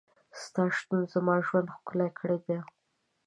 ستا شتون زما ژوند ښکلی کړی دی.